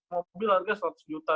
mobil harganya seratus juta